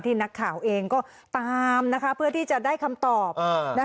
ที่นักข่าวเองก็ตามนะคะเพื่อที่จะได้คำตอบนะคะ